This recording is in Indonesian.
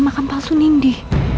makam palsu nindi